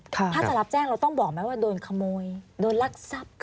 ถ้าจะรับแจ้งเราต้องบอกไหมว่าโดนขโมยโดนลักทรัพย์